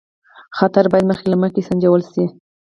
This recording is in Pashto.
خطر باید مخکې له مخکې سنجول شي.